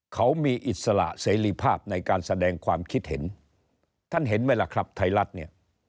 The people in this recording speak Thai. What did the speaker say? เขามีอิสระเสรีภาพในการแสดงความคิดเห็นท่านเห็นไหมล่ะครับไทยรัฐเนี่ย